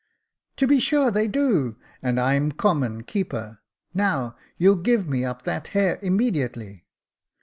•* To be sure they do — and I'm common keeper. Now you'll give me up that hare immediately."